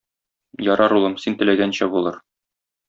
Ярар, улым, син теләгәнчә булыр.